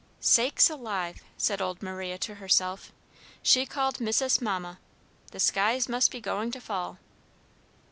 "Sakes alive!" said old Maria to herself, "she called missus 'Mamma.' The skies must be going to fall."